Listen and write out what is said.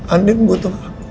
andin butuh aku